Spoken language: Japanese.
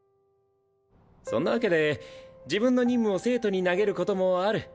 そんなわけで自分の任務を生徒に投げることもある。